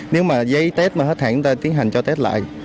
nếu mà giấy test mà hết hạn chúng ta tiến hành cho test lại